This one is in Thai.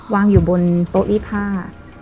วางอยู่บนโต๊ะรีดผ้า